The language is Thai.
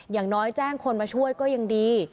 อย่างน้อยแจ้งคนมาช่วยก็ยังดี